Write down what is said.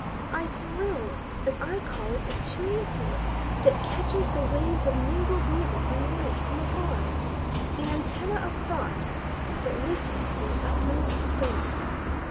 I thrill as I call it a tuning fork that catches The waves of mingled music and light from afar, The antennæ of Thought that listens through utmost space.